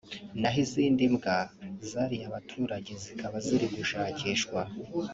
naho izindi mbwa zariye abaturage zikaba ziri gushakishwa